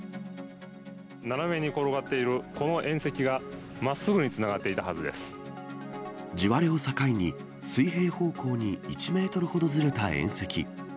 斜めに転がっているこの縁石が、まっすぐにつながっていたは地割れを境に、水平方向に１メートルほどずれた縁石。